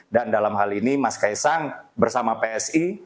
dan dalam hal ini mas kaisang bersama psi